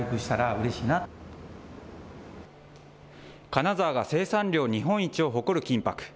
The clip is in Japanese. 金沢が生産量日本一を誇る金ぱく。